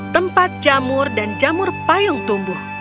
tempat jamur dan jamur payung tumbuh